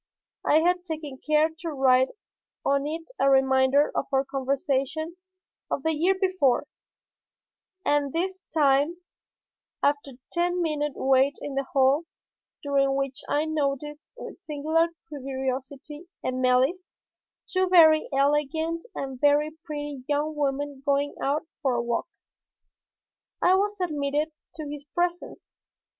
I had taken care to write on it a reminder of our conversation of the year before, and this time, after a ten minute wait in the hall, during which I noticed with singular curiosity and malice two very elegant and very pretty young women going out for a walk, I was admitted to his presence.